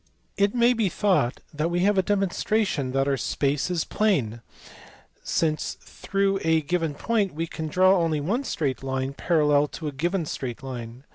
It may be thought that we have a demonstration that our space is plane, since through a given point we can draw only one straight line parallel to a given straight line.